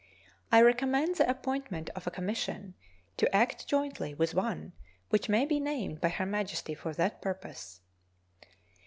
I recommend the appointment of a commission to act jointly with one which may be named by Her Majesty for that purpose.